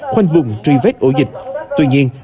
khoanh vùng truy vết ổ dịch tuy nhiên